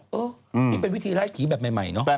นี่เป็นวิธีไล่ผีแบบใหม่เนาะ